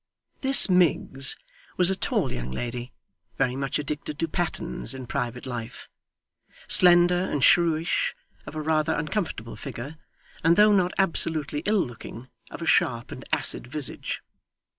This Miggs was a tall young lady, very much addicted to pattens in private life; slender and shrewish, of a rather uncomfortable figure, and though not absolutely ill looking, of a sharp and acid visage.